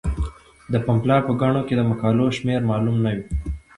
د پملا په ګڼو کې د مقالو شمیر معلوم نه وي.